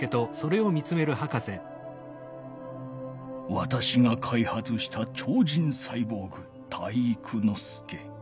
わたしが開発した超人サイボーグ体育ノ介。